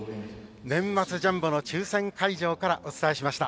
年末ジャンボの抽せん会場からお伝えしました。